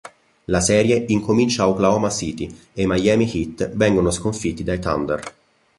La serie incomincia ad Oklahoma City e i Miami Heat vengono sconfitti dai Thunder.